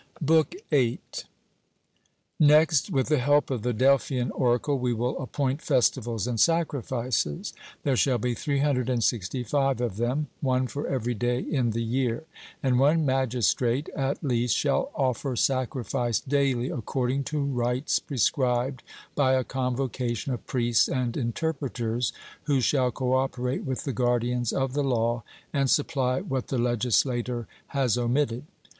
BOOK VIII. Next, with the help of the Delphian Oracle, we will appoint festivals and sacrifices. There shall be 365 of them, one for every day in the year; and one magistrate, at least, shall offer sacrifice daily according to rites prescribed by a convocation of priests and interpreters, who shall co operate with the guardians of the law, and supply what the legislator has omitted.